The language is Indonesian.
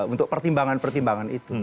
untuk pertimbangan pertimbangan itu